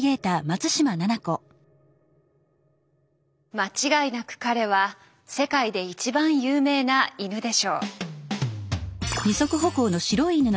間違いなく彼は世界で一番有名な犬でしょう。